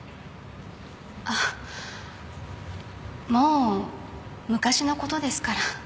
あもう昔のことですから。